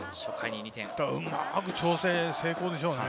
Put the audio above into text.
うまく調整成功ですね。